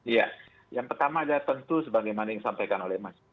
ya yang pertama adalah tentu sebagaimana yang disampaikan oleh mas